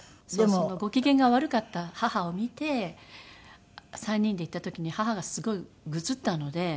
ご機嫌が悪かった母を見て３人で行った時に母がすごいぐずったので。